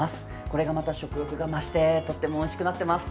これがまた食欲が増してとてもおいしくなっています。